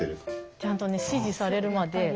ちゃんとね指示されるまで動かない。